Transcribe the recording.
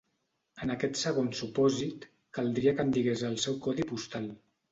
En aquest segon supòsit, caldria que em digués el seu codi postal.